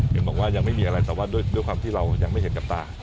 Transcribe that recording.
บอกว่ายังไม่มีอะไรแต่ว่าด้วยความที่เรายังไม่เห็นกับตา